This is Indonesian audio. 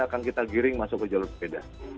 akan kita giring masuk ke jalur sepeda